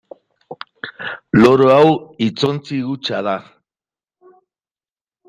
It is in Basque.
Loro hau hitzontzi hutsa da.